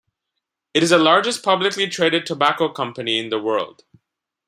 It is the largest publicly traded tobacco company in the world.